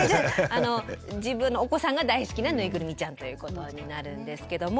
自分のお子さんが大好きなぬいぐるみちゃんということになるんですけども。